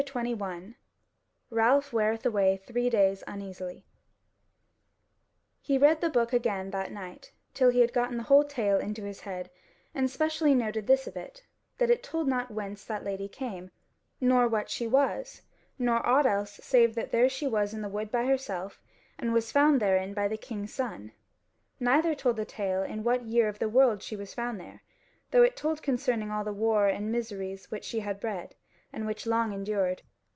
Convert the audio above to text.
CHAPTER 21 Ralph Weareth Away Three Days Uneasily He read again in the book that night, till he had gotten the whole tale into his head, and he specially noted this of it, that it told not whence that Lady came, nor what she was, nor aught else save that there she was in the wood by herself, and was found therein by the king's son: neither told the tale in what year of the world she was found there, though it told concerning all the war and miseries which she had bred, and which long endured.